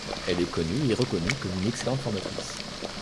Elle est connue et reconnue comme une excellente formatrice.